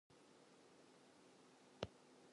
Henry convinces her to elope with him instead.